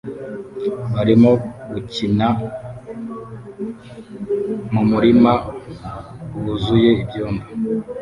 barimo gukina mu murima wuzuye ibyondo